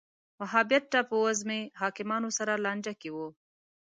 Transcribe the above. وهابیت ټاپووزمې حاکمانو سره لانجه کې و